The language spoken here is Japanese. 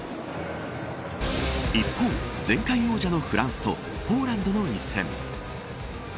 一方、前回王者のフランスとポーランドの一戦。